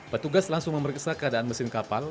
petugas langsung memeriksa keadaan mesin kapal